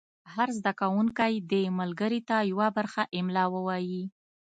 هر زده کوونکی دې ملګري ته یوه برخه املا ووایي.